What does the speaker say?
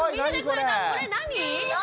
これ何？